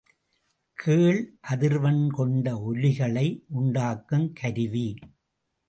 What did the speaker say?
கேள் அதிர்வெண் கொண்ட ஒலிகளை உண்டாக்குங் கருவி.